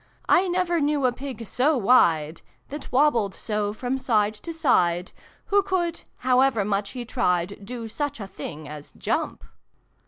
I never knew a Pig so wide That wobbled so from side to side Who could, however much he tried, Do such a thing as jump